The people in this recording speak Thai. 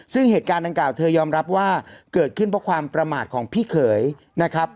ซึ่งเหตุการณ์ดังกล่าวเธอยอมรับว่าเกิดขึ้นเพราะความประมาทของพี่เขยนะครับ